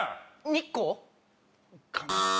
日光？